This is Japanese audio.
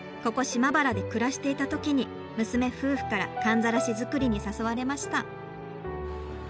島原で暮らしていた時に娘夫婦からかんざらし作りに誘われました。